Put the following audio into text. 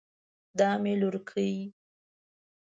دا مې لورکۍ